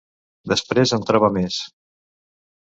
Després en troba més.